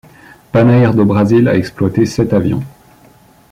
Panair do Brasil a exploité sept avions.